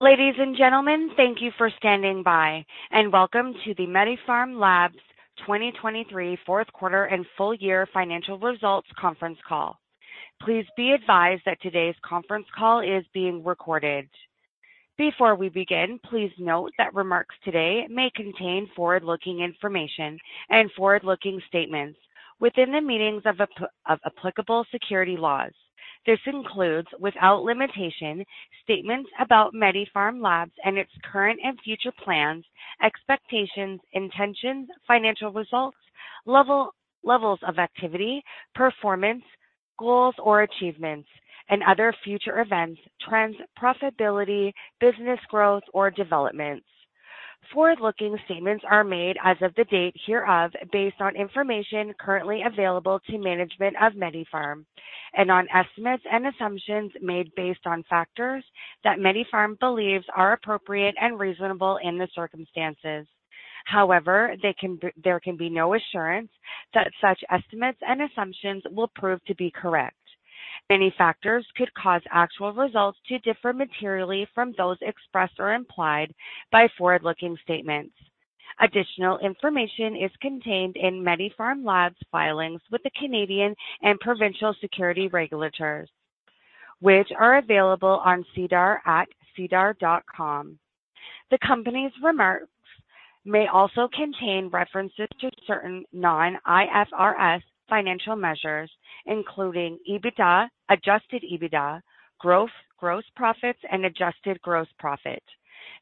Ladies and gentlemen, thank you for standing by, and welcome to the MediPharm Labs 2023 Q4 and full-year financial results conference call. Please be advised that today's conference call is being recorded. Before we begin, please note that remarks today may contain forward-looking information and forward-looking statements within the meanings of applicable securities laws. This includes, without limitation, statements about MediPharm Labs and its current and future plans, expectations, intentions, financial results, levels of activity, performance, goals or achievements, and other future events, trends, profitability, business growth, or developments. Forward-looking statements are made as of the date hereof based on information currently available to management of MediPharm, and on estimates and assumptions made based on factors that MediPharm believes are appropriate and reasonable in the circumstances. However, there can be no assurance that such estimates and assumptions will prove to be correct. Many factors could cause actual results to differ materially from those expressed or implied by forward-looking statements. Additional information is contained in MediPharm Labs filings with the Canadian and provincial securities regulators, which are available on SEDAR at sedarplus.ca. The company's remarks may also contain references to certain non-IFRS financial measures, including EBITDA, adjusted EBITDA, gross profits, and adjusted gross profit.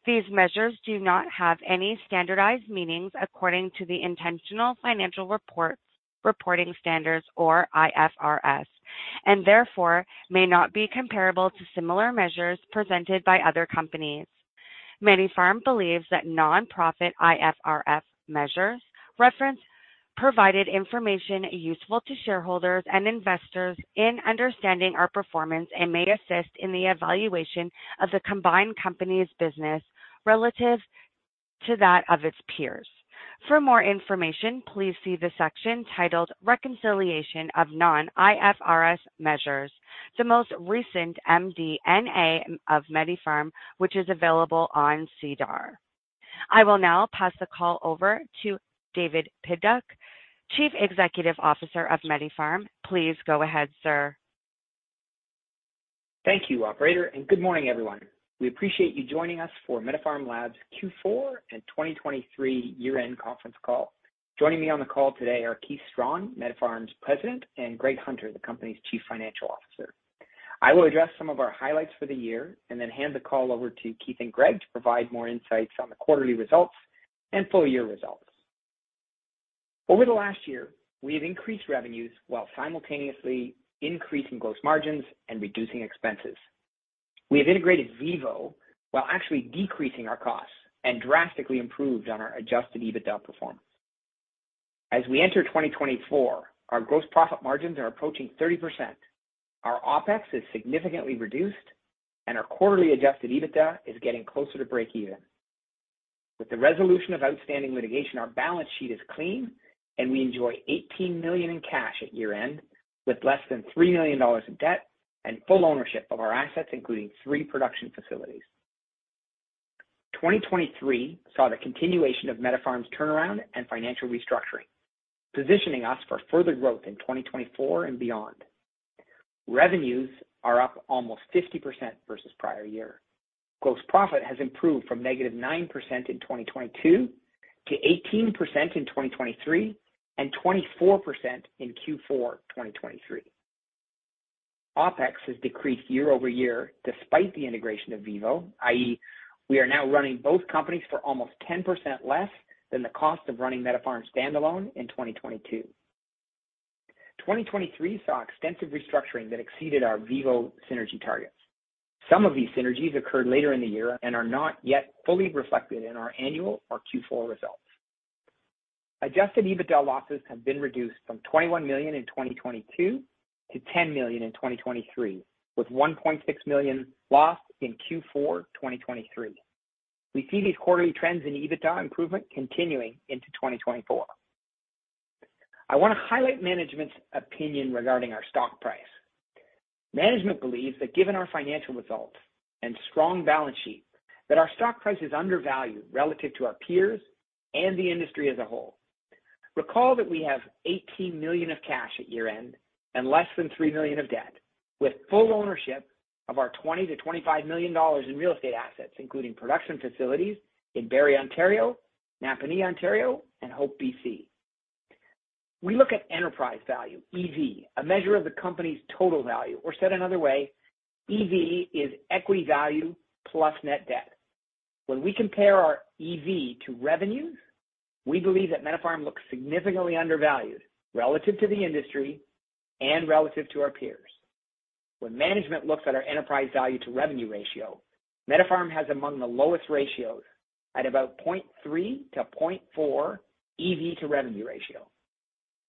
These measures do not have any standardized meanings according to the International Financial Reporting Standards or IFRS, and therefore may not be comparable to similar measures presented by other companies. MediPharm believes that non-IFRS measures provided information useful to shareholders and investors in understanding our performance and may assist in the evaluation of the combined company's business relative to that of its peers. For more information, please see the section titled Reconciliation of Non-IFRS Measures, the most recent MD&A of MediPharm, which is available on SEDAR+. I will now pass the call over to David Pidduck, Chief Executive Officer of MediPharm. Please go ahead, sir. Thank you, operator, and good morning, everyone. We appreciate you joining us for MediPharm Labs Q4 and 2023 year-end conference call. Joining me on the call today are Keith Strachan, MediPharm's President, and Greg Hunter, the company's Chief Financial Officer. I will address some of our highlights for the year and then hand the call over to Keith and Greg to provide more insights on the quarterly results and full year results. Over the last year, we have increased revenues while simultaneously increasing gross margins and reducing expenses. We have integrated VIVO while actually decreasing our costs and drastically improved on our adjusted EBITDA performance. As we enter 2024, our gross profit margins are approaching 30%, our OPEX is significantly reduced, and our quarterly adjusted EBITDA is getting closer to break-even. With the resolution of outstanding litigation, our balance sheet is clean, and we enjoy 18 million in cash at year-end with less than 3 million dollars in debt and full ownership of our assets, including three production facilities. 2023 saw the continuation of MediPharm's turnaround and financial restructuring, positioning us for further growth in 2024 and beyond. Revenues are up almost 50% versus prior year. Gross profit has improved from -9% in 2022 to 18% in 2023 and 24% in Q4 2023. OpEx has decreased year-over-year despite the integration of VIVO, i.e., we are now running both companies for almost 10% less than the cost of running MediPharm standalone in 2022. 2023 saw extensive restructuring that exceeded our VIVO synergy targets. Some of these synergies occurred later in the year and are not yet fully reflected in our annual or Q4 results. Adjusted EBITDA losses have been reduced from 21 million in 2022 to 10 million in 2023, with 1.6 million lost in Q4 2023. We see these quarterly trends in EBITDA improvement continuing into 2024. I want to highlight management's opinion regarding our stock price. Management believes that given our financial results and strong balance sheet, our stock price is undervalued relative to our peers and the industry as a whole. Recall that we have 18 million of cash at year-end and less than 3 million of debt, with full ownership of our 20 million-25 million dollars in real estate assets, including production facilities in Barrie, Ontario, Napanee, Ontario, and Hope, B.C. We look at enterprise value, EV, a measure of the company's total value, or said another way, EV is equity value plus net debt. When we compare our EV to revenues, we believe that MediPharm looks significantly undervalued relative to the industry and relative to our peers. When management looks at our enterprise value-to-revenue ratio, MediPharm has among the lowest ratios at about 0.3-0.4 EV-to-revenue ratio.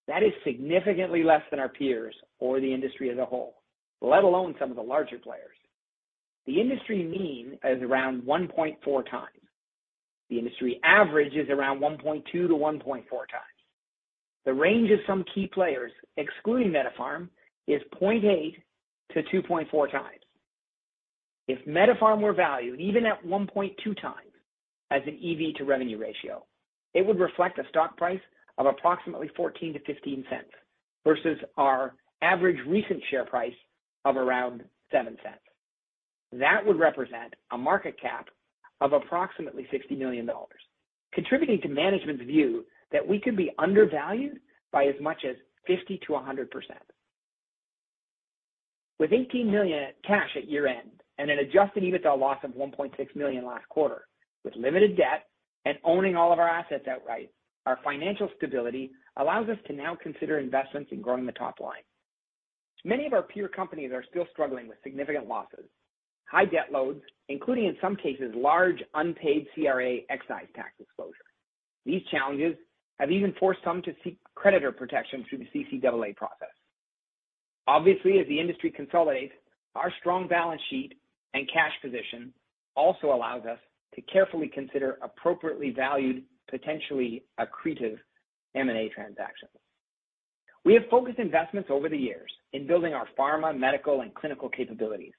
That is significantly less than our peers or the industry as a whole, let alone some of the larger players. The industry mean is around 1.4x. The industry average is around 1.2-1.4x. The range of some key players, excluding MediPharm, is 0.8-2.4x. If MediPharm were valued even at 1.2x as an EV-to-revenue ratio, it would reflect a stock price of approximately 0.14-0.15 versus our average recent share price of around 0.07. That would represent a market cap of approximately 60 million dollars, contributing to management's view that we could be undervalued by as much as 50%-100%. With 18 million cash at year-end and an Adjusted EBITDA loss of 1.6 million last quarter, with limited debt and owning all of our assets outright, our financial stability allows us to now consider investments in growing the top line. Many of our peer companies are still struggling with significant losses, high debt loads, including in some cases large unpaid CRA excise tax exposure. These challenges have even forced some to seek creditor protection through the CCAA process. Obviously, as the industry consolidates, our strong balance sheet and cash position also allows us to carefully consider appropriately valued, potentially accretive M&A transactions. We have focused investments over the years in building our pharma, medical, and clinical capabilities.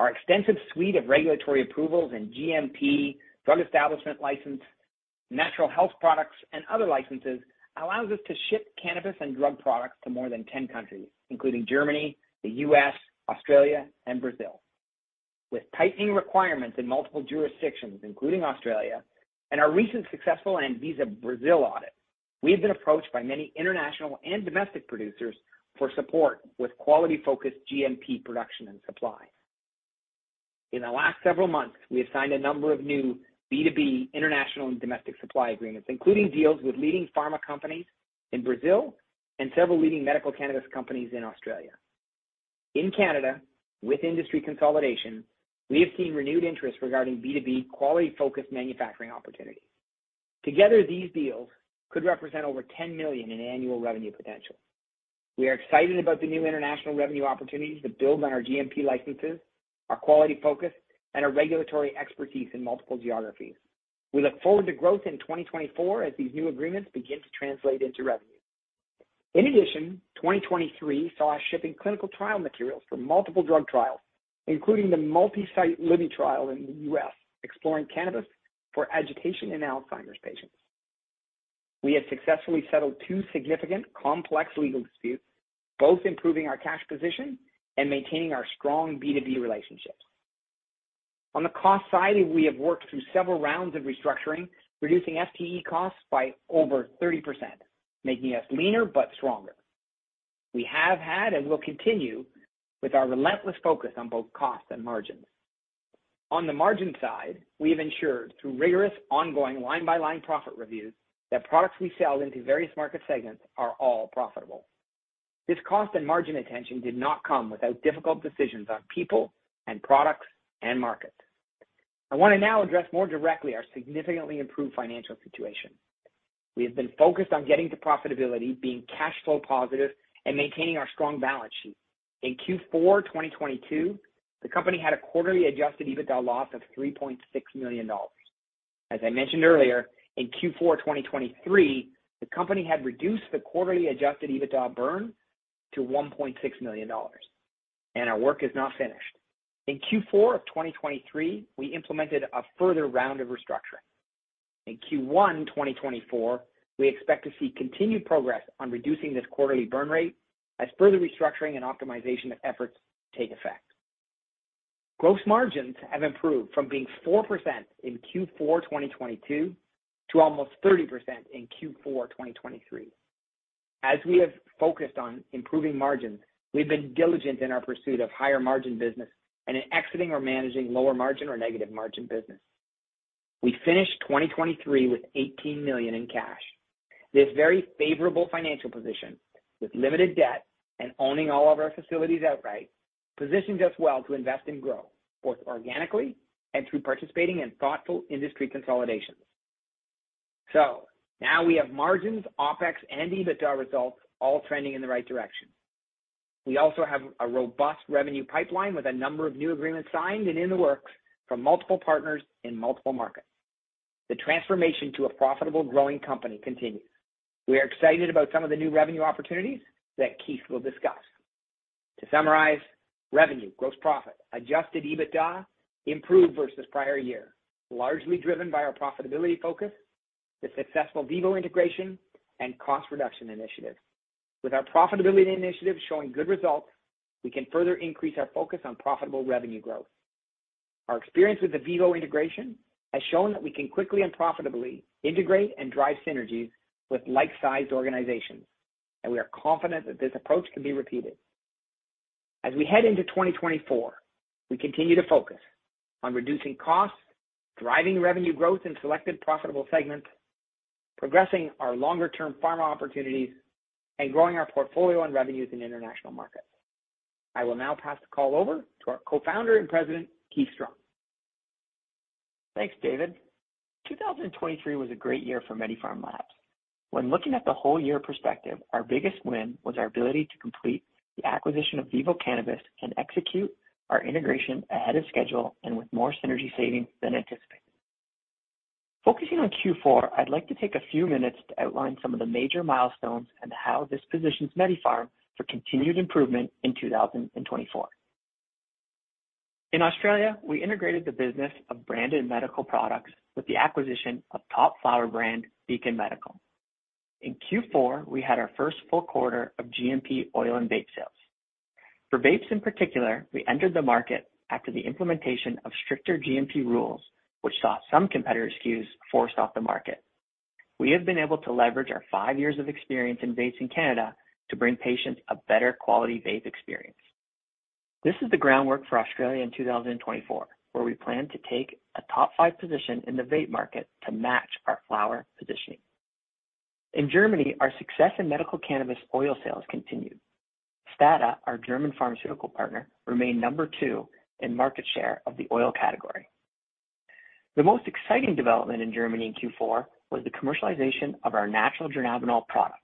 Our extensive suite of regulatory approvals and GMP, Drug Establishment License, Natural Health Products, and other licenses allows us to ship cannabis and drug products to more than 10 countries, including Germany, the U.S., Australia, and Brazil. With tightening requirements in multiple jurisdictions, including Australia, and our recent successful ANVISA Brazil audit, we have been approached by many international and domestic producers for support with quality-focused GMP production and supply. In the last several months, we have signed a number of new B2B international and domestic supply agreements, including deals with leading pharma companies in Brazil and several leading medical cannabis companies in Australia. In Canada, with industry consolidation, we have seen renewed interest regarding B2B quality-focused manufacturing opportunities. Together, these deals could represent over 10 million in annual revenue potential. We are excited about the new international revenue opportunities that build on our GMP licenses, our quality focus, and our regulatory expertise in multiple geographies. We look forward to growth in 2024 as these new agreements begin to translate into revenue. In addition, 2023 saw us shipping clinical trial materials for multiple drug trials, including the multi-site LiBBY Trial in the U.S. exploring cannabis for agitation and Alzheimer's patients. We have successfully settled two significant, complex legal disputes, both improving our cash position and maintaining our strong B2B relationships. On the cost side, we have worked through several rounds of restructuring, reducing FTE costs by over 30%, making us leaner but stronger. We have had and will continue with our relentless focus on both cost and margins. On the margin side, we have ensured through rigorous, ongoing line-by-line profit reviews that products we sell into various market segments are all profitable. This cost and margin attention did not come without difficult decisions on people and products and markets. I want to now address more directly our significantly improved financial situation. We have been focused on getting to profitability, being cash flow positive, and maintaining our strong balance sheet. In Q4 2022, the company had a quarterly adjusted EBITDA loss of 3.6 million dollars. As I mentioned earlier, in Q4 2023, the company had reduced the quarterly adjusted EBITDA burn to 1.6 million dollars, and our work is not finished. In Q4 of 2023, we implemented a further round of restructuring. In Q1 2024, we expect to see continued progress on reducing this quarterly burn rate as further restructuring and optimization efforts take effect. Gross margins have improved from being 4% in Q4 2022 to almost 30% in Q4 2023. As we have focused on improving margins, we've been diligent in our pursuit of higher margin business and in exiting or managing lower margin or negative margin business. We finished 2023 with 18 million in cash. This very favorable financial position, with limited debt and owning all of our facilities outright, positions us well to invest and grow, both organically and through participating in thoughtful industry consolidations. So now we have margins, OpEx, and EBITDA results all trending in the right direction. We also have a robust revenue pipeline with a number of new agreements signed and in the works from multiple partners in multiple markets. The transformation to a profitable, growing company continues. We are excited about some of the new revenue opportunities that Keith will discuss. To summarize, revenue, gross profit, adjusted EBITDA, improved versus prior year, largely driven by our profitability focus, the successful Vivo integration, and cost reduction initiative. With our profitability initiative showing good results, we can further increase our focus on profitable revenue growth. Our experience with the Vivo integration has shown that we can quickly and profitably integrate and drive synergies with like-sized organizations, and we are confident that this approach can be repeated. As we head into 2024, we continue to focus on reducing costs, driving revenue growth in selected profitable segments, progressing our longer-term pharma opportunities, and growing our portfolio and revenues in international markets. I will now pass the call over to our Co-founder and President, Keith Strachan. Thanks, David. 2023 was a great year for MediPharm Labs. When looking at the whole year perspective, our biggest win was our ability to complete the acquisition of Vivo Cannabis and execute our integration ahead of schedule and with more synergy savings than anticipated. Focusing on Q4, I'd like to take a few minutes to outline some of the major milestones and how this positions MediPharm for continued improvement in 2024. In Australia, we integrated the business of branded medical products with the acquisition of top flower brand Beacon Medical. In Q4, we had our first full quarter of GMP oil and vape sales. For vapes in particular, we entered the market after the implementation of stricter GMP rules, which saw some competitor SKUs forced off the market. We have been able to leverage our five years of experience in vapes in Canada to bring patients a better quality vape experience. This is the groundwork for Australia in 2024, where we plan to take a top five position in the vape market to match our flower positioning. In Germany, our success in medical cannabis oil sales continued. STADA, our German pharmaceutical partner, remained number two in market share of the oil category. The most exciting development in Germany in Q4 was the commercialization of our natural Dronabinol product.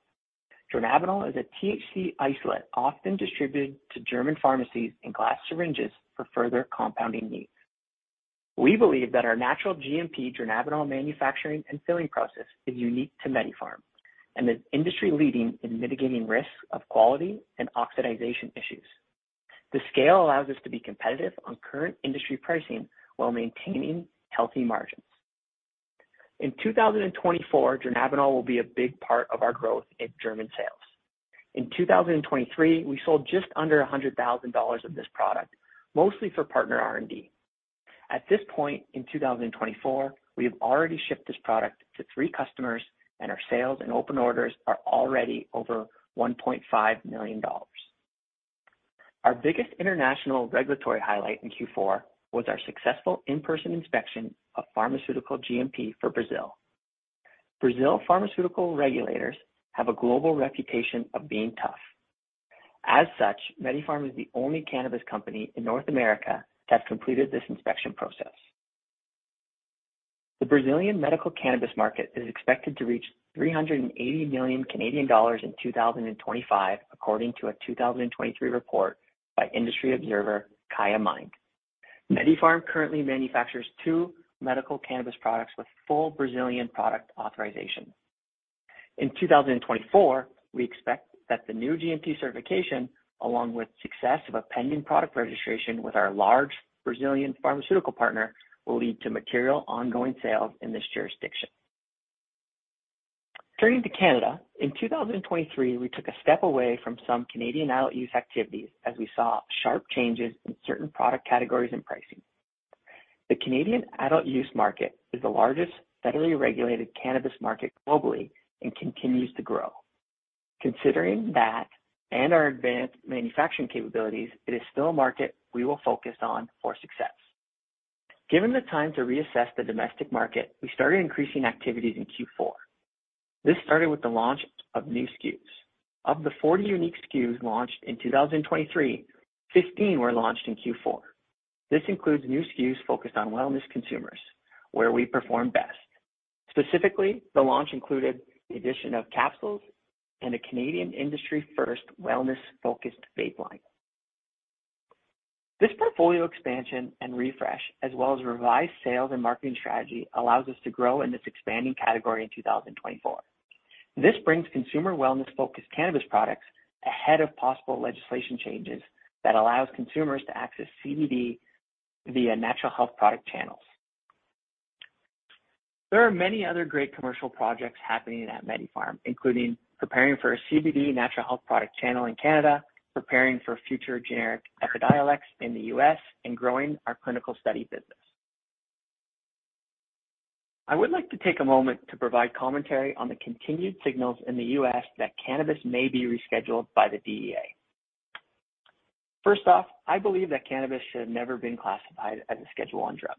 Dronabinol is a THC isolate often distributed to German pharmacies in glass syringes for further compounding needs. We believe that our natural GMP Dronabinol manufacturing and filling process is unique to MediPharm and is industry-leading in mitigating risks of quality and oxidization issues. The scale allows us to be competitive on current industry pricing while maintaining healthy margins. In 2024, dronabinol will be a big part of our growth in German sales. In 2023, we sold just under $100,000 of this product, mostly for partner R&D. At this point in 2024, we have already shipped this product to three customers, and our sales and open orders are already over $1.5 million. Our biggest international regulatory highlight in Q4 was our successful in-person inspection of pharmaceutical GMP for Brazil. Brazil pharmaceutical regulators have a global reputation of being tough. As such, MediPharm is the only cannabis company in North America that's completed this inspection process. The Brazilian medical cannabis market is expected to reach $380 million in 2025, according to a 2023 report by industry observer Kaya Mind. MediPharm currently manufactures two medical cannabis products with full Brazilian product authorization. In 2024, we expect that the new GMP certification, along with success of a pending product registration with our large Brazilian pharmaceutical partner, will lead to material ongoing sales in this jurisdiction. Turning to Canada, in 2023, we took a step away from some Canadian adult use activities as we saw sharp changes in certain product categories and pricing. The Canadian adult use market is the largest federally regulated cannabis market globally and continues to grow. Considering that and our advanced manufacturing capabilities, it is still a market we will focus on for success. Given the time to reassess the domestic market, we started increasing activities in Q4. This started with the launch of new SKUs. Of the 40 unique SKUs launched in 2023, 15 were launched in Q4. This includes new SKUs focused on wellness consumers, where we perform best. Specifically, the launch included the addition of capsules and a Canadian industry-first wellness-focused vape line. This portfolio expansion and refresh, as well as revised sales and marketing strategy, allows us to grow in this expanding category in 2024. This brings consumer wellness-focused cannabis products ahead of possible legislation changes that allows consumers to access CBD via natural health product channels. There are many other great commercial projects happening at MediPharm, including preparing for a CBD natural health product channel in Canada, preparing for future generic Epidiolex in the U.S., and growing our clinical study business. I would like to take a moment to provide commentary on the continued signals in the U.S. that cannabis may be rescheduled by the DEA. First off, I believe that cannabis should have never been classified as a Schedule I drug.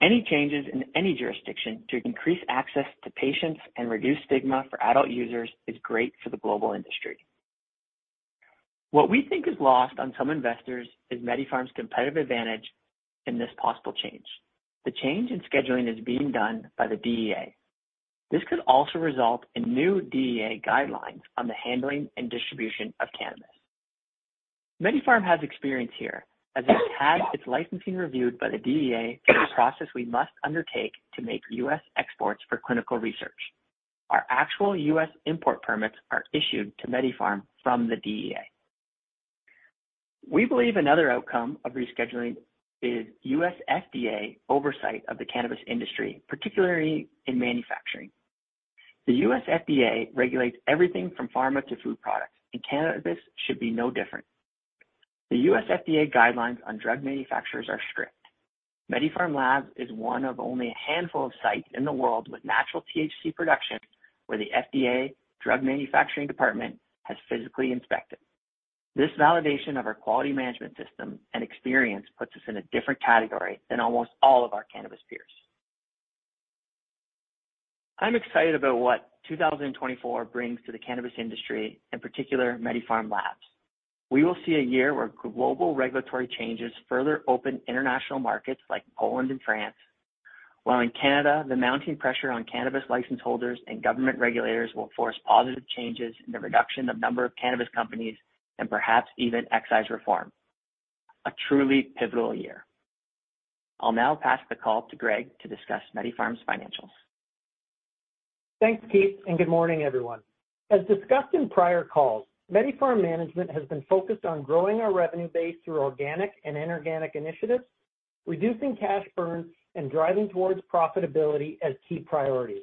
Any changes in any jurisdiction to increase access to patients and reduce stigma for adult users is great for the global industry. What we think is lost on some investors is MediPharm's competitive advantage in this possible change. The change in scheduling is being done by the DEA. This could also result in new DEA guidelines on the handling and distribution of cannabis. MediPharm has experience here as it has had its licensing reviewed by the DEA for the process we must undertake to make U.S. exports for clinical research. Our actual U.S. import permits are issued to MediPharm from the DEA. We believe another outcome of rescheduling is U.S. FDA oversight of the cannabis industry, particularly in manufacturing. The U.S. FDA regulates everything from pharma to food products, and cannabis should be no different. The U.S. FDA guidelines on drug manufacturers are strict. MediPharm Labs is one of only a handful of sites in the world with natural THC production where the FDA drug manufacturing department has physically inspected. This validation of our quality management system and experience puts us in a different category than almost all of our cannabis peers. I'm excited about what 2024 brings to the cannabis industry, in particular MediPharm Labs. We will see a year where global regulatory changes further open international markets like Poland and France, while in Canada, the mounting pressure on cannabis licenseholders and government regulators will force positive changes in the reduction of the number of cannabis companies and perhaps even excise reform. A truly pivotal year. I'll now pass the call to Greg to discuss MediPharm's financials. Thanks, Keith, and good morning, everyone. As discussed in prior calls, MediPharm management has been focused on growing our revenue base through organic and inorganic initiatives, reducing cash burns, and driving towards profitability as key priorities.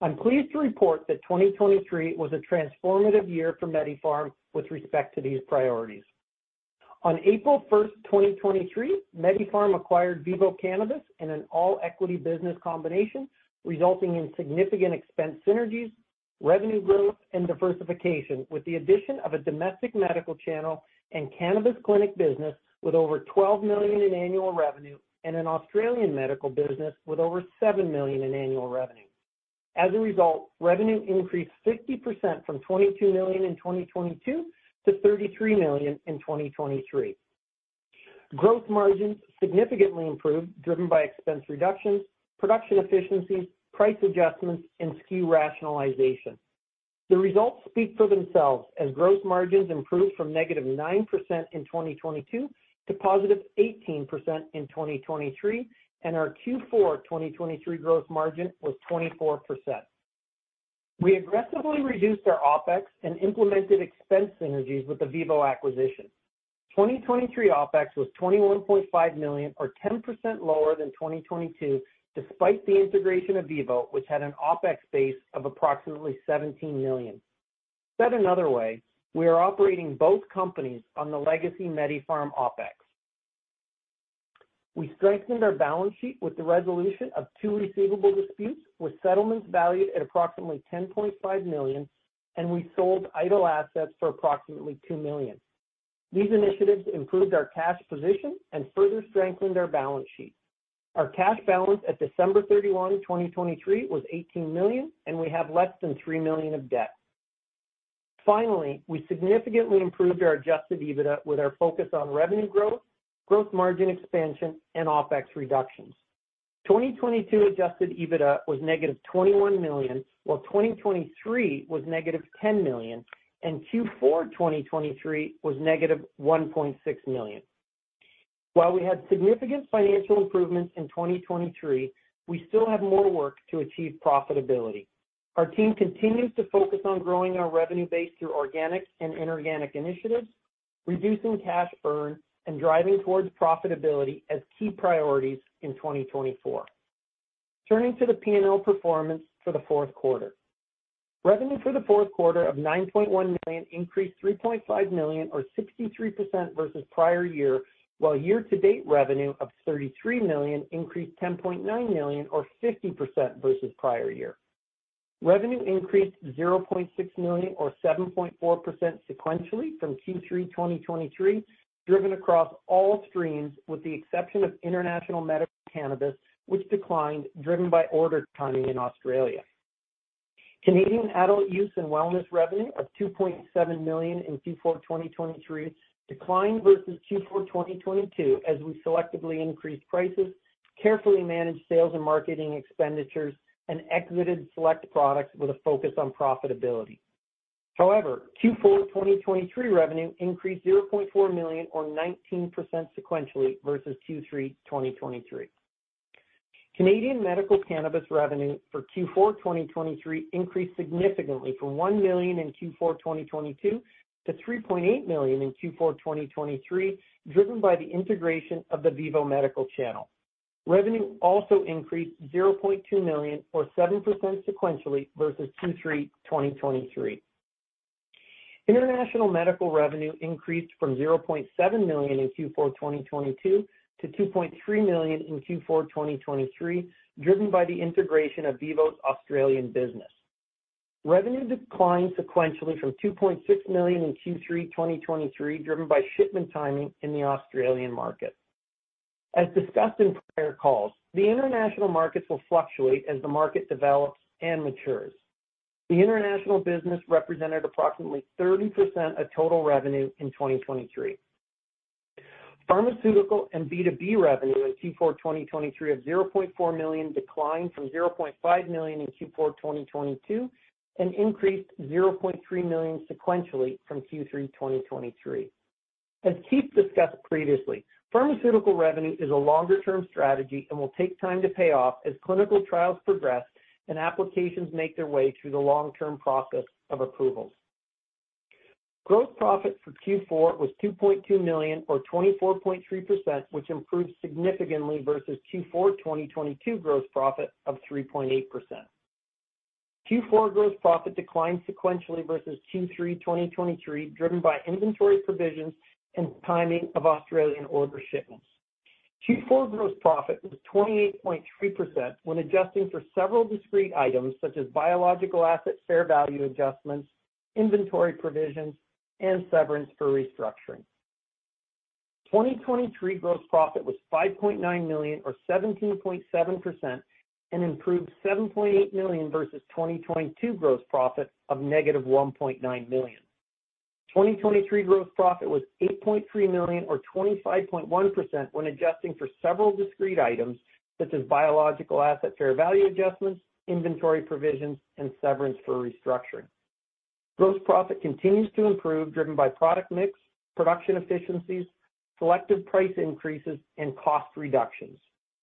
I'm pleased to report that 2023 was a transformative year for MediPharm with respect to these priorities. On April 1, 2023, MediPharm acquired Vivo Cannabis in an all-equity business combination, resulting in significant expense synergies, revenue growth, and diversification with the addition of a domestic medical channel and cannabis clinic business with over 12 million in annual revenue and an Australian medical business with over 7 million in annual revenue. As a result, revenue increased 50% from 22 million in 2022 to 33 million in 2023. Gross margins significantly improved, driven by expense reductions, production efficiencies, price adjustments, and SKU rationalization. The results speak for themselves as gross margins improved from -9% in 2022 to positive 18% in 2023, and our Q4 2023 gross margin was 24%. We aggressively reduced our OPEX and implemented expense synergies with the Vivo acquisition. 2023 OPEX was 21.5 million, or 10% lower than 2022, despite the integration of Vivo, which had an OPEX base of approximately 17 million. Said another way, we are operating both companies on the legacy MediPharm OPEX. We strengthened our balance sheet with the resolution of two receivable disputes with settlements valued at approximately 10.5 million, and we sold idle assets for approximately 2 million. These initiatives improved our cash position and further strengthened our balance sheet. Our cash balance at December 31, 2023, was 18 million, and we have less than 3 million of debt. Finally, we significantly improved our Adjusted EBITDA with our focus on revenue growth, gross margin expansion, and OpEx reductions. 2022 Adjusted EBITDA was negative 21 million, while 2023 was negative 10 million, and Q4 2023 was negative 1.6 million. While we had significant financial improvements in 2023, we still have more work to achieve profitability. Our team continues to focus on growing our revenue base through organic and inorganic initiatives, reducing cash burn, and driving towards profitability as key priorities in 2024. Turning to the P&L performance for the Q4. Revenue for the Q4 of 9.1 million increased 3.5 million, or 63% versus prior year, while year-to-date revenue of 33 million increased 10.9 million, or 50% versus prior year. Revenue increased 0.6 million, or 7.4% sequentially from Q3 2023, driven across all streams with the exception of international medical cannabis, which declined, driven by order timing in Australia. Canadian adult use and wellness revenue of 2.7 million in Q4 2023 declined versus Q4 2022 as we selectively increased prices, carefully managed sales and marketing expenditures, and exited select products with a focus on profitability. However, Q4 2023 revenue increased 0.4 million, or 19% sequentially versus Q3 2023. Canadian medical cannabis revenue for Q4 2023 increased significantly from 1 million in Q4 2022 to 3.8 million in Q4 2023, driven by the integration of the Vivo medical channel. Revenue also increased 0.2 million, or 7% sequentially versus Q3 2023. International medical revenue increased from 0.7 million in Q4 2022 to 2.3 million in Q4 2023, driven by the integration of Vivo's Australian business. Revenue declined sequentially from 2.6 million in Q3 2023, driven by shipment timing in the Australian market. As discussed in prior calls, the international markets will fluctuate as the market develops and matures. The international business represented approximately 30% of total revenue in 2023. Pharmaceutical and B2B revenue in Q4 2023 of 0.4 million declined from 0.5 million in Q4 2022 and increased 0.3 million sequentially from Q3 2023. As Keith discussed previously, pharmaceutical revenue is a longer-term strategy and will take time to pay off as clinical trials progress and applications make their way through the long-term process of approvals. Gross profit for Q4 was 2.2 million, or 24.3%, which improved significantly versus Q4 2022 gross profit of 3.8%. Q4 gross profit declined sequentially versus Q3 2023, driven by inventory provisions and timing of Australian order shipments. Q4 gross profit was 28.3% when adjusting for several discrete items such as biological asset fair value adjustments, inventory provisions, and severance for restructuring. 2023 gross profit was 5.9 million, or 17.7%, and improved 7.8 million versus 2022 gross profit of negative 1.9 million. 2023 gross profit was 8.3 million, or 25.1%, when adjusting for several discrete items such as biological asset fair value adjustments, inventory provisions, and severance for restructuring. Gross profit continues to improve, driven by product mix, production efficiencies, selective price increases, and cost reductions.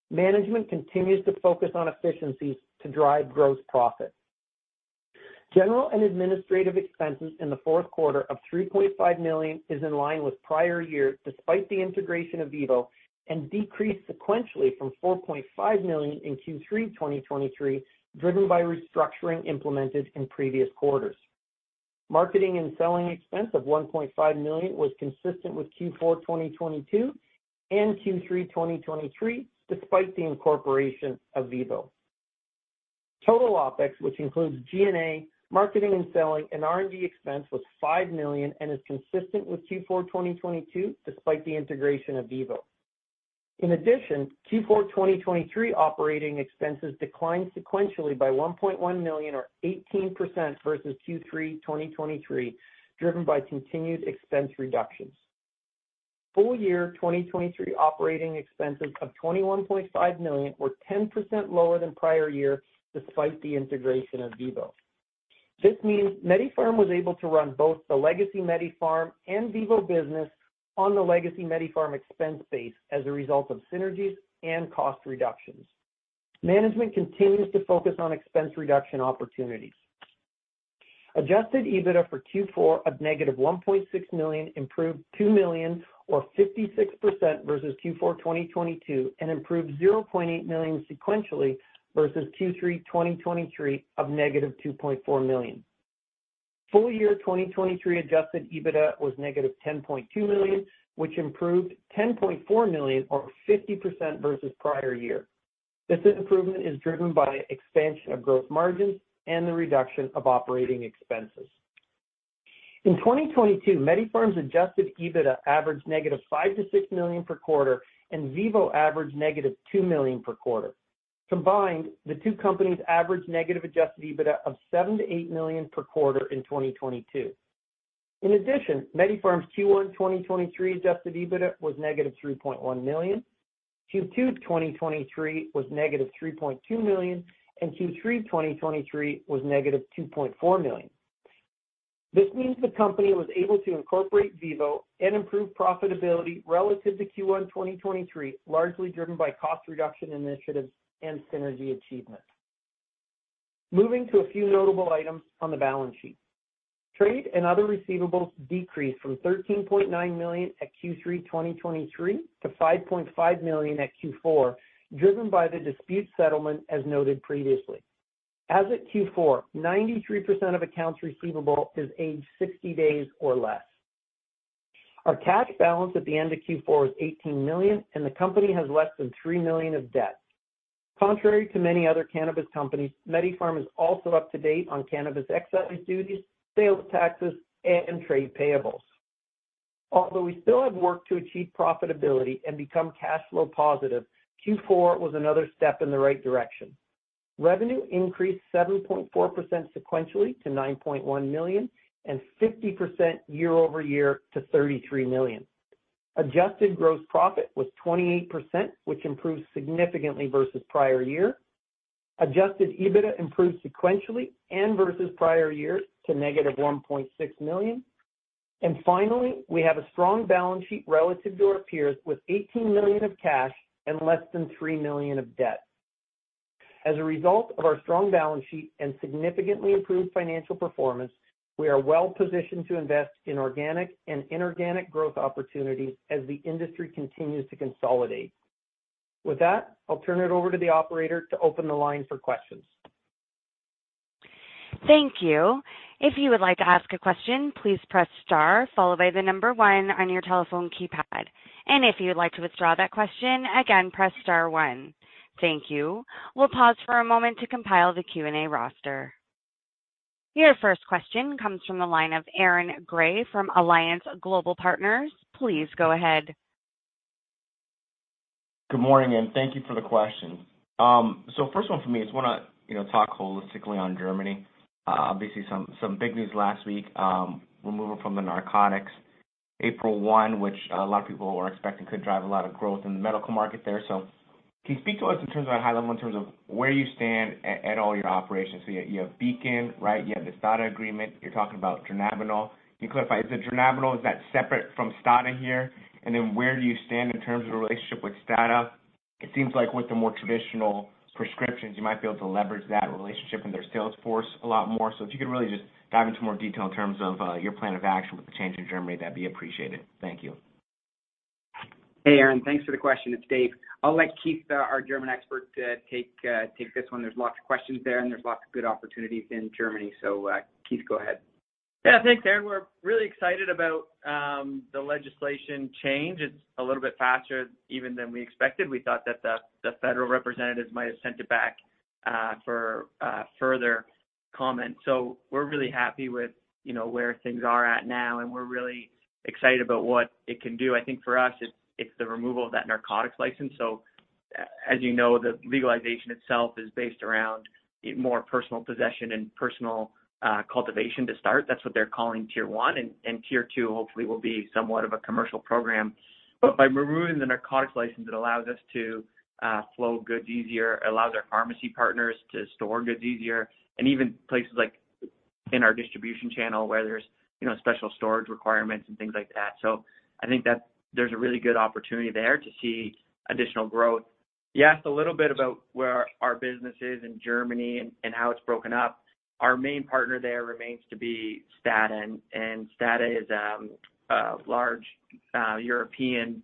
Management continues to focus on efficiencies to drive gross profit. General and administrative expenses in the Q4 of 3.5 million is in line with prior year despite the integration of Vivo and decreased sequentially from 4.5 million in Q3 2023, driven by restructuring implemented in previous quarters. Marketing and selling expense of 1.5 million was consistent with Q4 2022 and Q3 2023 despite the incorporation of Vivo. Total OPEX, which includes G&A, marketing and selling, and R&D expense was 5 million and is consistent with Q4 2022 despite the integration of Vivo. In addition, Q4 2023 operating expenses declined sequentially by 1.1 million, or 18%, versus Q3 2023, driven by continued expense reductions. Full year 2023 operating expenses of 21.5 million were 10% lower than prior year despite the integration of Vivo. This means MediPharm was able to run both the legacy MediPharm and Vivo business on the legacy MediPharm expense base as a result of synergies and cost reductions. Management continues to focus on expense reduction opportunities. Adjusted EBITDA for Q4 of negative 1.6 million improved 2 million, or 56%, versus Q4 2022 and improved 0.8 million sequentially versus Q3 2023 of negative 2.4 million. Full year 2023 adjusted EBITDA was negative 10.2 million, which improved 10.4 million, or 50%, versus prior year. This improvement is driven by expansion of gross margins and the reduction of operating expenses. In 2022, MediPharm's adjusted EBITDA averaged negative 5 million-6 million per quarter, and Vivo averaged negative 2 million per quarter. Combined, the two companies averaged negative adjusted EBITDA of 7 million-8 million per quarter in 2022. In addition, MediPharm's Q1 2023 adjusted EBITDA was negative 3.1 million, Q2 2023 was negative 3.2 million, and Q3 2023 was negative 2.4 million. This means the company was able to incorporate Vivo and improve profitability relative to Q1 2023, largely driven by cost reduction initiatives and synergy achievements. Moving to a few notable items on the balance sheet. Trade and other receivables decreased from 13.9 million at Q3 2023 to 5.5 million at Q4, driven by the dispute settlement as noted previously. As at Q4, 93% of accounts receivable is aged 60 days or less. Our cash balance at the end of Q4 is 18 million, and the company has less than 3 million of debt. Contrary to many other cannabis companies, MediPharm is also up to date on cannabis excise duties, sales taxes, and trade payables. Although we still have work to achieve profitability and become cash flow positive, Q4 was another step in the right direction. Revenue increased 7.4% sequentially to 9.1 million and 50% year-over-year to 33 million. Adjusted gross profit was 28%, which improved significantly versus prior year. Adjusted EBITDA improved sequentially and versus prior year to negative 1.6 million. Finally, we have a strong balance sheet relative to our peers with 18 million of cash and less than 3 million of debt. As a result of our strong balance sheet and significantly improved financial performance, we are well positioned to invest in organic and inorganic growth opportunities as the industry continues to consolidate. With that, I'll turn it over to the operator to open the line for questions. Thank you. If you would like to ask a question, please press star followed by the number one on your telephone keypad. If you would like to withdraw that question, again, press star one. Thank you. We'll pause for a moment to compile the Q&A roster. Your first question comes from the line of Aaron Gray from Alliance Global Partners. Please go ahead. Good morning, and thank you for the question. So first one for me is I want to talk holistically on Germany. Obviously, some big news last week, removal from the narcotics, April 1, which a lot of people were expecting could drive a lot of growth in the medical market there. So can you speak to us in terms of at a high level, in terms of where you stand at all your operations? So you have Beacon, right? You have the STADA agreement. You're talking about Dronabinol. Can you clarify? Is the Dronabinol, is that separate from STADA here? And then where do you stand in terms of the relationship with STADA? It seems like with the more traditional prescriptions, you might be able to leverage that relationship in their sales force a lot more. If you could really just dive into more detail in terms of your plan of action with the change in Germany, that'd be appreciated. Thank you. Hey, Aaron. Thanks for the question. It's Dave. I'll let Keith, our German expert, take this one. There's lots of questions there, and there's lots of good opportunities in Germany. Keith, go ahead. Yeah, thanks, Aaron. We're really excited about the legislation change. It's a little bit faster even than we expected. We thought that the federal representatives might have sent it back for further comment. So we're really happy with where things are at now, and we're really excited about what it can do. I think for us, it's the removal of that narcotics license. So as you know, the legalization itself is based around more personal possession and personal cultivation to start. That's what they're calling Tier 1. And Tier 2 hopefully will be somewhat of a commercial program. But by removing the narcotics license, it allows us to flow goods easier, allows our pharmacy partners to store goods easier, and even places like in our distribution channel where there's special storage requirements and things like that. So I think there's a really good opportunity there to see additional growth. You asked a little bit about where our business is in Germany and how it's broken up. Our main partner there remains to be STADA, and STADA is a large European,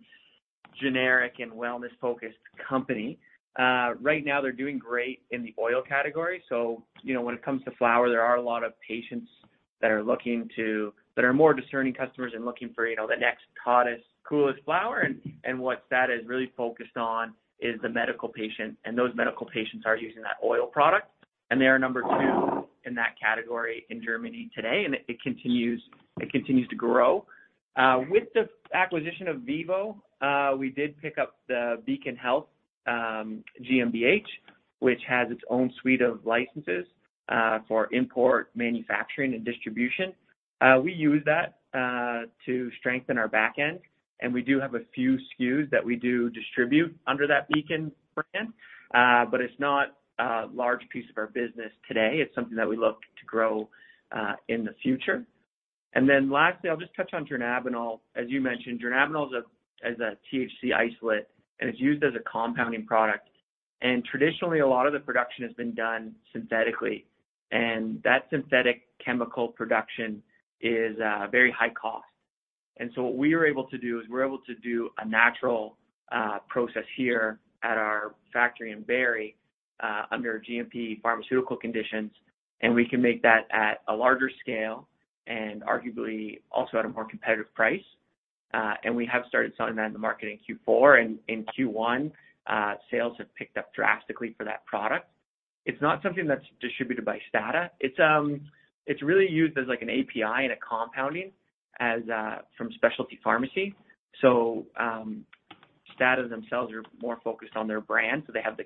generic, and wellness-focused company. Right now, they're doing great in the oil category. So when it comes to flower, there are a lot of patients that are looking to that are more discerning customers and looking for the next hottest, coolest flower. And what STADA is really focused on is the medical patient, and those medical patients are using that oil product. And they are number two in that category in Germany today, and it continues to grow. With the acquisition of Vivo, we did pick up the Beacon Medical GmbH, which has its own suite of licenses for import, manufacturing, and distribution. We use that to strengthen our backend, and we do have a few SKUs that we do distribute under that Beacon brand, but it's not a large piece of our business today. It's something that we look to grow in the future. Then lastly, I'll just touch on dronabinol. As you mentioned, dronabinol is a THC isolate, and it's used as a compounding product. Traditionally, a lot of the production has been done synthetically, and that synthetic chemical production is very high cost. So what we were able to do is we're able to do a natural process here at our factory in Barrie under GMP pharmaceutical conditions, and we can make that at a larger scale and arguably also at a more competitive price. We have started selling that in the market in Q4. In Q1, sales have picked up drastically for that product. It's not something that's distributed by STADA. It's really used as an API and a compounding from specialty pharmacy. So STADA themselves are more focused on their brand. So they have the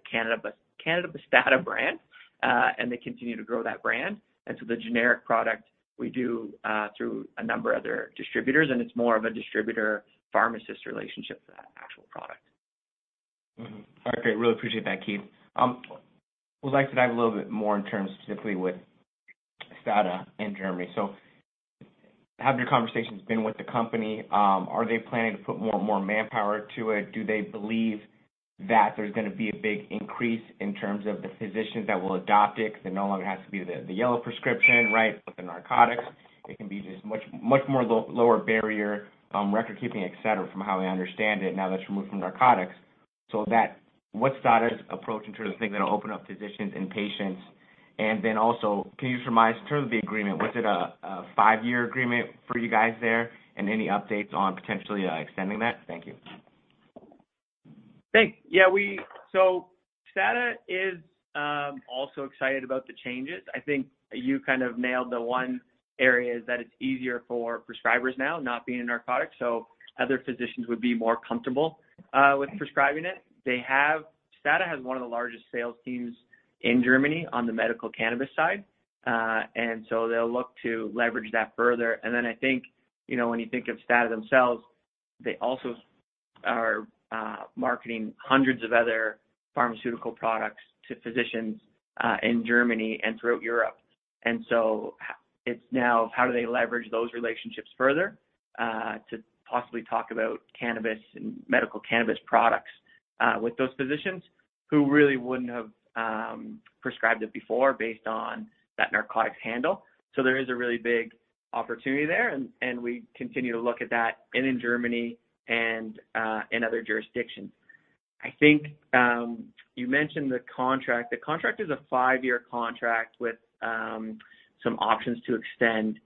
Cannabis STADA brand, and they continue to grow that brand. And so the generic product, we do through a number of other distributors, and it's more of a distributor-pharmacist relationship for that actual product. All right. Great. Really appreciate that, Keith. We'd like to dive a little bit more in terms specifically with STADA in Germany. So have your conversations been with the company? Are they planning to put more and more manpower to it? Do they believe that there's going to be a big increase in terms of the physicians that will adopt it because it no longer has to be the yellow prescription, right, with the narcotics? It can be just much more lower barrier, record-keeping, etc., from how I understand it now that it's removed from narcotics. So what's STADA's approach in terms of thinking that'll open up physicians and patients? And then also, can you just remind us in terms of the agreement, was it a five-year agreement for you guys there and any updates on potentially extending that? Thank you. Thanks. Yeah. So STADA is also excited about the changes. I think you kind of nailed the one area is that it's easier for prescribers now not being in narcotics, so other physicians would be more comfortable with prescribing it. STADA has one of the largest sales teams in Germany on the medical cannabis side, and so they'll look to leverage that further. And then I think when you think of STADA themselves, they also are marketing hundreds of other pharmaceutical products to physicians in Germany and throughout Europe. And so it's now how do they leverage those relationships further to possibly talk about cannabis and medical cannabis products with those physicians who really wouldn't have prescribed it before based on that narcotics handle. So there is a really big opportunity there, and we continue to look at that in Germany and in other jurisdictions. I think you mentioned the contract. The contract is a five year contract with some options to extend,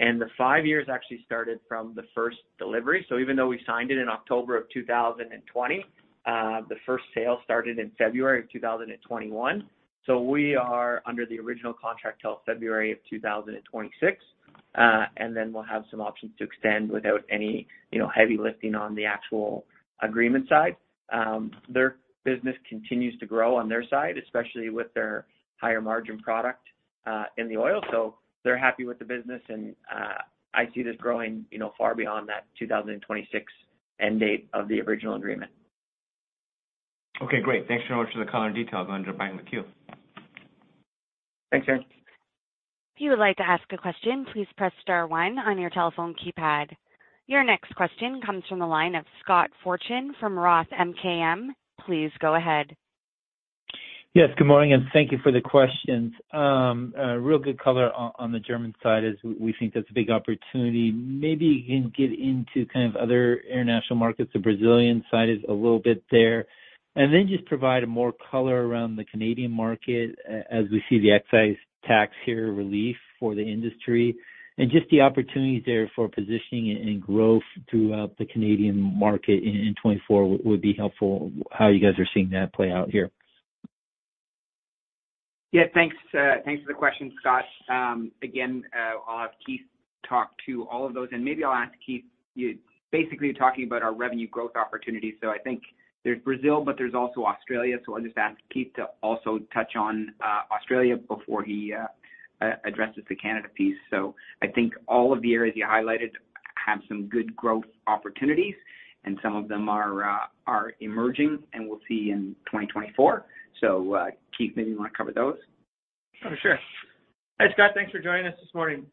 and the five years actually started from the first delivery. So even though we signed it in October 2020, the first sale started in February 2021. So we are under the original contract till February 2026, and then we'll have some options to extend without any heavy lifting on the actual agreement side. Their business continues to grow on their side, especially with their higher margin product in the oil. So they're happy with the business, and I see this growing far beyond that 2026 end date of the original agreement. Okay. Great. Thanks so much for the color and details. I'm going to jump back into the queue. Thanks, Aaron. If you would like to ask a question, please press star one on your telephone keypad. Your next question comes from the line of Scott Fortune from Roth MKM. Please go ahead. Yes. Good morning, and thank you for the questions. Real good color on the German side as we think that's a big opportunity. Maybe you can get into kind of other international markets. The Brazilian side is a little bit there. And then just provide more color around the Canadian market as we see the excise tax here relief for the industry and just the opportunities there for positioning and growth throughout the Canadian market in 2024 would be helpful, how you guys are seeing that play out here. Yeah. Thanks for the question, Scott. Again, I'll have Keith talk to all of those, and maybe I'll ask Keith basically, you're talking about our revenue growth opportunities. So I think there's Brazil, but there's also Australia. So I'll just ask Keith to also touch on Australia before he addresses the Canada piece. So I think all of the areas you highlighted have some good growth opportunities, and some of them are emerging, and we'll see in 2024. So Keith, maybe you want to cover those? Oh, sure. Hey, Scott. Thanks for joining us this morning.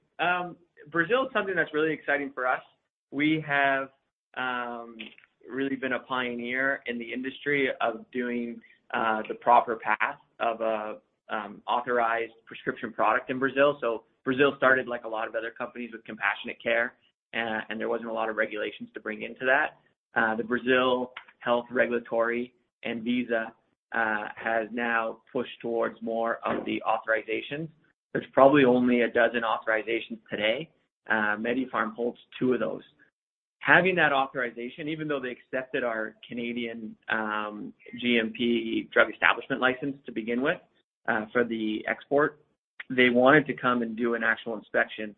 Brazil is something that's really exciting for us. We have really been a pioneer in the industry of doing the proper path of an authorized prescription product in Brazil. Brazil started, like a lot of other companies, with Compassionate Care, and there wasn't a lot of regulations to bring into that. ANVISA has now pushed towards more of the authorizations. There's probably only a dozen authorizations today. MediPharm holds two of those. Having that authorization, even though they accepted our Canadian GMP Drug Establishment License to begin with for the export, they wanted to come and do an actual inspection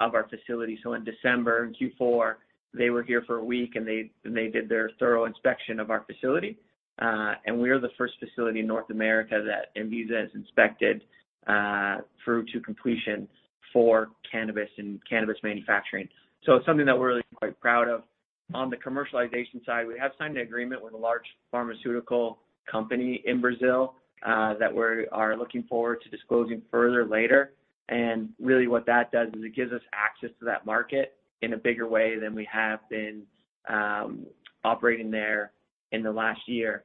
of our facility. In December in Q4, they were here for a week, and they did their thorough inspection of our facility. We are the first facility in North America that ANVISA has inspected through to completion for cannabis and cannabis manufacturing. So it's something that we're really quite proud of. On the commercialization side, we have signed an agreement with a large pharmaceutical company in Brazil that we are looking forward to disclosing further later. Really, what that does is it gives us access to that market in a bigger way than we have been operating there in the last year.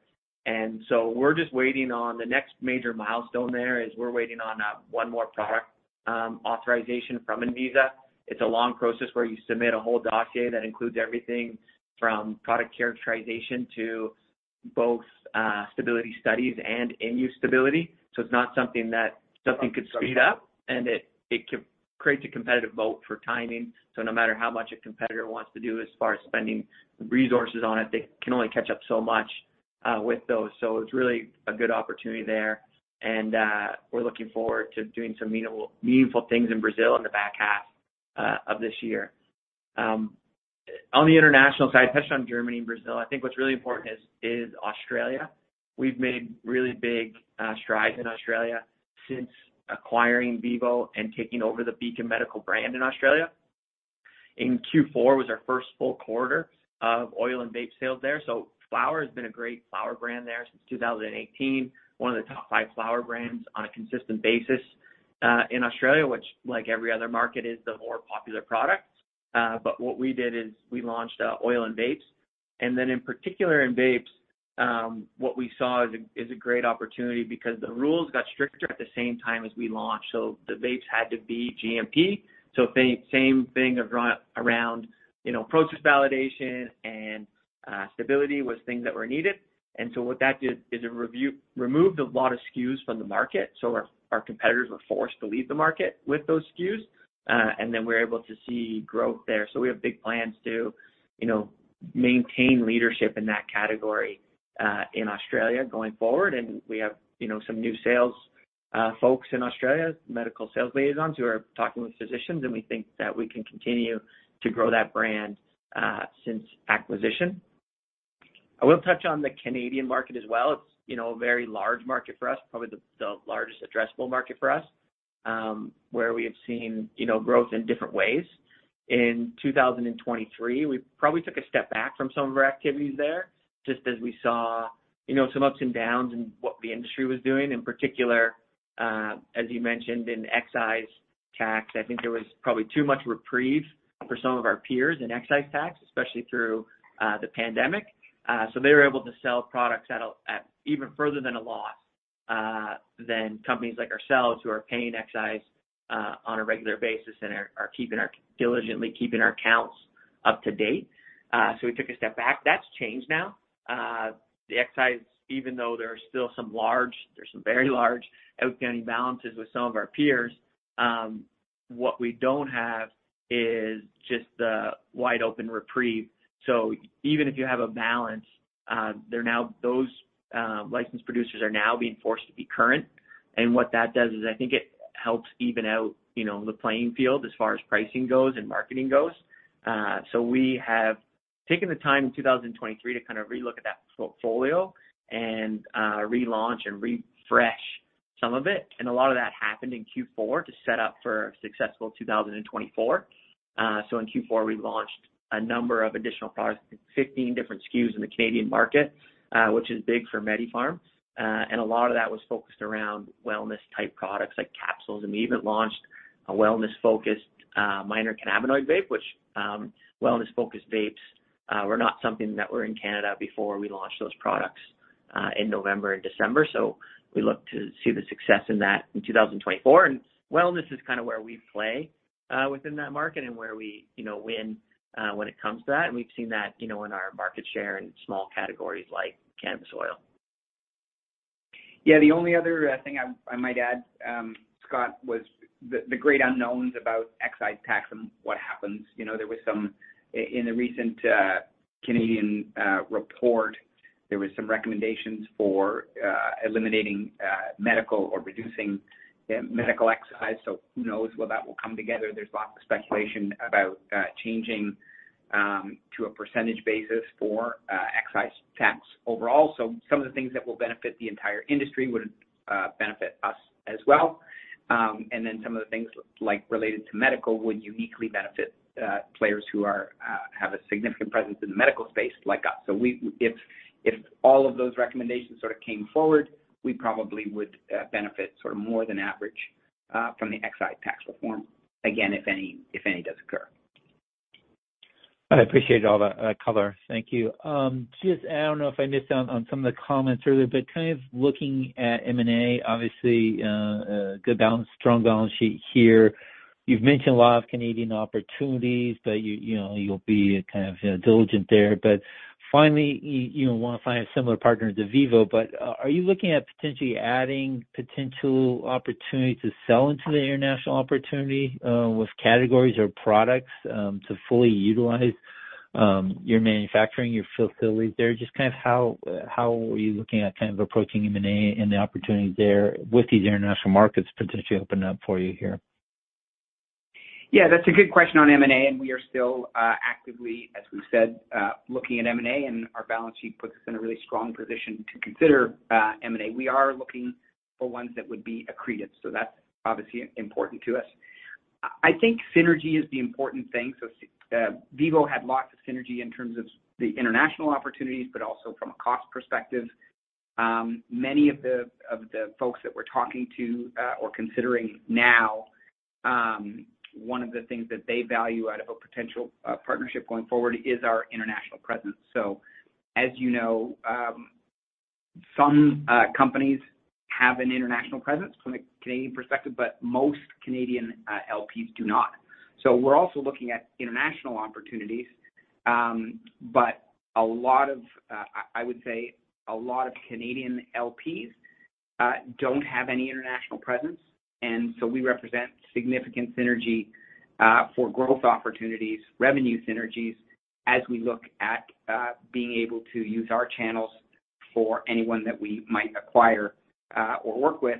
So we're just waiting on the next major milestone there, which is we're waiting on one more product authorization from ANVISA. It's a long process where you submit a whole dossier that includes everything from product characterization to both stability studies and end-use stability. So it's not something that something could speed up, and it creates a competitive moat for timing. So no matter how much a competitor wants to do as far as spending resources on it, they can only catch up so much with those. So it's really a good opportunity there, and we're looking forward to doing some meaningful things in Brazil in the back half of this year. On the international side, touched on Germany and Brazil. I think what's really important is Australia. We've made really big strides in Australia since acquiring Vivo and taking over the Beacon Medical brand in Australia. In Q4 was our first full quarter of oil and vape sales there. So flower has been a great flower brand there since 2018, one of the top five flower brands on a consistent basis in Australia, which, like every other market, is the more popular product. But what we did is we launched oil and vapes. In particular, in vapes, what we saw is a great opportunity because the rules got stricter at the same time as we launched. So the vapes had to be GMP. The same thing around process validation and stability was things that were needed. What that did is it removed a lot of SKUs from the market. Our competitors were forced to leave the market with those SKUs, and then we were able to see growth there. We have big plans to maintain leadership in that category in Australia going forward. We have some new sales folks in Australia, medical sales liaisons, who are talking with physicians, and we think that we can continue to grow that brand since acquisition. I will touch on the Canadian market as well. It's a very large market for us, probably the largest addressable market for us where we have seen growth in different ways. In 2023, we probably took a step back from some of our activities there just as we saw some ups and downs in what the industry was doing. In particular, as you mentioned, in excise tax, I think there was probably too much reprieve for some of our peers in excise tax, especially through the pandemic. So they were able to sell products at even further than a loss than companies like ourselves who are paying excise on a regular basis and are diligently keeping our counts up to date. So we took a step back. That's changed now. The excise, even though there are still some very large outstanding balances with some of our peers. What we don't have is just the wide-open reprieve. So even if you have a balance, those licensed producers are now being forced to be current. And what that does is I think it helps even out the playing field as far as pricing goes and marketing goes. So we have taken the time in 2023 to kind of relook at that portfolio and relaunch and refresh some of it. And a lot of that happened in Q4 to set up for a successful 2024. So in Q4, we launched a number of additional products, 15 different SKUs in the Canadian market, which is big for MediPharm. And a lot of that was focused around wellness-type products like capsules. And we even launched a wellness-focused minor cannabinoid vape, which wellness-focused vapes were not something that were in Canada before we launched those products in November and December. So we look to see the success in that in 2024. Wellness is kind of where we play within that market and where we win when it comes to that. We've seen that in our market share in small categories like cannabis oil. Yeah. The only other thing I might add, Scott, was the great unknowns about excise tax and what happens. There was some in the recent Canadian report. There were some recommendations for eliminating medical or reducing medical excise. So who knows? Well, that will come together. There's lots of speculation about changing to a percentage basis for excise tax overall. So some of the things that will benefit the entire industry would benefit us as well. And then some of the things related to medical would uniquely benefit players who have a significant presence in the medical space like us. So if all of those recommendations sort of came forward, we probably would benefit sort of more than average from the excise tax reform, again, if any does occur. I appreciate all that color. Thank you. I don't know if I missed out on some of the comments earlier, but kind of looking at M&A, obviously, good balance, strong balance sheet here. You've mentioned a lot of Canadian opportunities, but you'll be kind of diligent there. But finally, you want to find a similar partner to Vivo. But are you looking at potentially adding potential opportunity to sell into the international opportunity with categories or products to fully utilize your manufacturing, your facilities there? Just kind of how are you looking at kind of approaching M&A and the opportunities there with these international markets potentially opening up for you here? Yeah. That's a good question on M&A, and we are still actively, as we've said, looking at M&A, and our balance sheet puts us in a really strong position to consider M&A. We are looking for ones that would be accretive. So that's obviously important to us. I think synergy is the important thing. So Vivo had lots of synergy in terms of the international opportunities, but also from a cost perspective. Many of the folks that we're talking to or considering now, one of the things that they value out of a potential partnership going forward is our international presence. So as you know, some companies have an international presence from a Canadian perspective, but most Canadian LPs do not. So we're also looking at international opportunities, but a lot of, I would say, a lot of Canadian LPs don't have any international presence. So we represent significant synergy for growth opportunities, revenue synergies, as we look at being able to use our channels for anyone that we might acquire or work with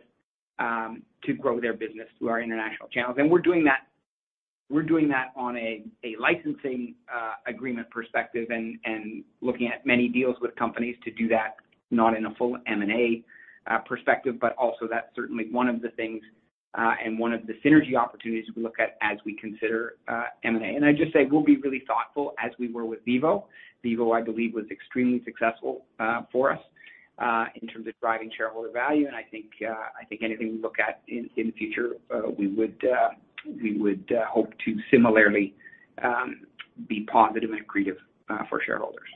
to grow their business through our international channels. We're doing that. We're doing that on a licensing agreement perspective and looking at many deals with companies to do that, not in a full M&A perspective, but also that's certainly one of the things and one of the synergy opportunities we look at as we consider M&A. I just say we'll be really thoughtful as we were with Vivo. Vivo, I believe, was extremely successful for us in terms of driving shareholder value. I think anything we look at in the future, we would hope to similarly be positive and accretive for shareholders.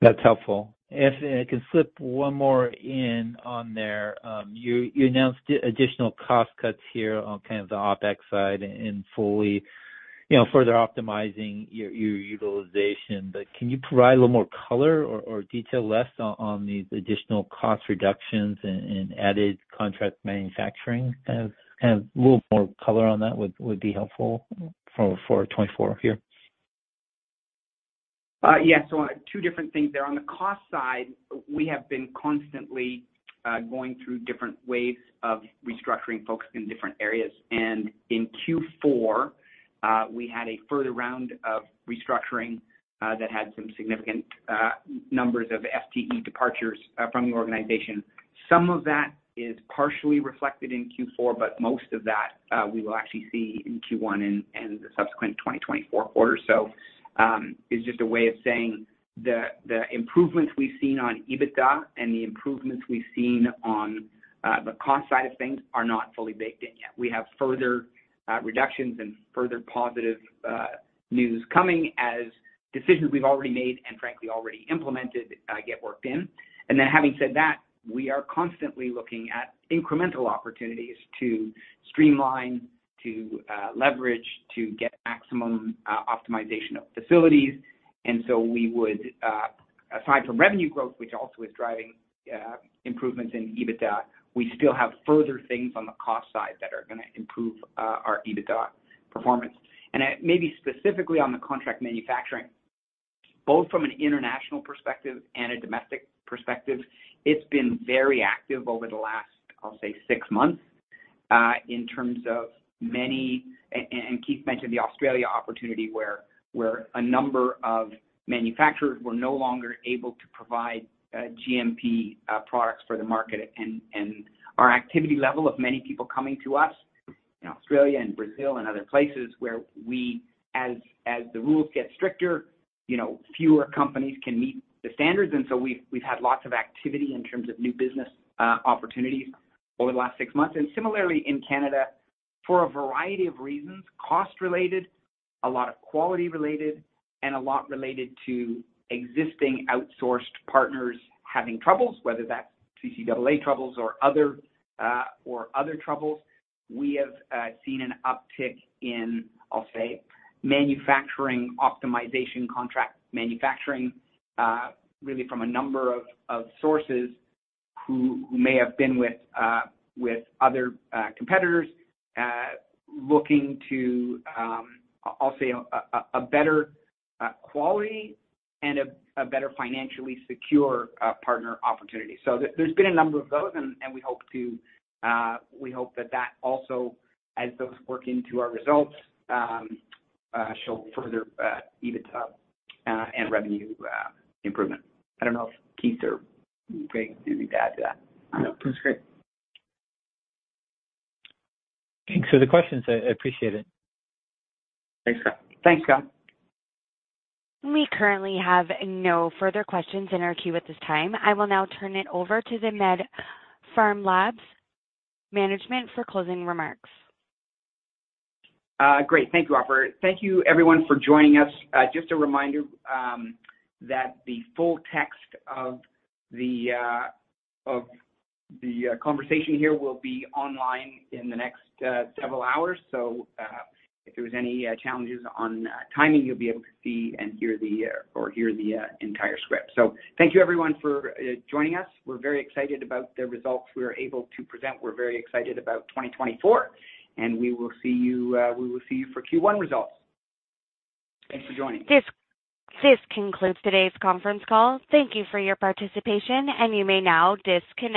That's helpful. If I can slip one more in on there, you announced additional cost cuts here on kind of the OpEx side and fully further optimizing your utilization. But can you provide a little more color or details on these additional cost reductions and added contract manufacturing? Kind of a little more color on that would be helpful for 2024 here. Yeah. So two different things there. On the cost side, we have been constantly going through different waves of restructuring focused in different areas. And in Q4, we had a further round of restructuring that had some significant numbers of FTE departures from the organization. Some of that is partially reflected in Q4, but most of that we will actually see in Q1 and the subsequent 2024 quarter. So it's just a way of saying the improvements we've seen on EBITDA and the improvements we've seen on the cost side of things are not fully baked in yet. We have further reductions and further positive news coming as decisions we've already made and, frankly, already implemented get worked in. And then having said that, we are constantly looking at incremental opportunities to streamline, to leverage, to get maximum optimization of facilities. And so, we would, aside from revenue growth, which also is driving improvements in EBITDA, still have further things on the cost side that are going to improve our EBITDA performance. Maybe specifically on the contract manufacturing, both from an international perspective and a domestic perspective, it's been very active over the last. I'll say, six months in terms of many, and Keith mentioned the Australia opportunity where a number of manufacturers were no longer able to provide GMP products for the market. Our activity level, many people coming to us in Australia and Brazil and other places where we, as the rules get stricter, fewer companies can meet the standards. So we've had lots of activity in terms of new business opportunities over the last six months. Similarly, in Canada, for a variety of reasons, cost-related, a lot of quality-related, and a lot related to existing outsourced partners having troubles, whether that's CCAA troubles or other troubles, we have seen an uptick in, I'll say, manufacturing optimization, contract manufacturing, really from a number of sources who may have been with other competitors looking to, I'll say, a better quality and a better financially secure partner opportunity. So there's been a number of those, and we hope that that also, as those work into our results, show further EBITDA and revenue improvement. I don't know if Keith or Greg do anything to add to that. Nope. That's great. Thanks for the questions. I appreciate it. Thanks, Scott. Thanks, Scott. We currently have no further questions in our queue at this time. I will now turn it over to the MediPharm Labs management for closing remarks. Great. Thank you, Operator. Thank you, everyone, for joining us. Just a reminder that the full text of the conversation here will be online in the next several hours. So if there was any challenges on timing, you'll be able to hear the entire script. So thank you, everyone, for joining us. We're very excited about the results we were able to present. We're very excited about 2024, and we will see you for Q1 results. Thanks for joining. This concludes today's conference call. Thank you for your participation, and you may now disconnect.